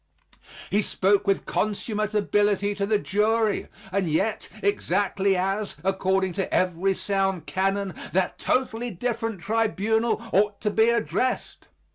He spoke with consummate ability to the jury, and yet exactly as, according to every sound canon, that totally different tribunal ought to be addressed.